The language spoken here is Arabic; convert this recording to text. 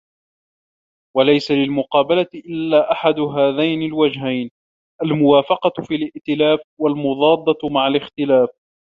وَلَيْسَ لِلْمُقَابَلَةِ إلَّا أَحَدُ هَذَيْنِ الْوَجْهَيْنِ الْمُوَافَقَةُ فِي الِائْتِلَافِ وَالْمُضَادَّةُ مَعَ الِاخْتِلَافِ